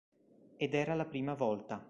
Ed era la prima volta.